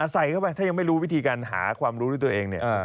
ใส่เข้าไปถ้ายังไม่รู้วิธีการหาความรู้ด้วยตัวเองเนี่ย